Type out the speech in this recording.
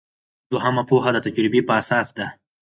دوهمه پوهه د تجربې په اساس ده.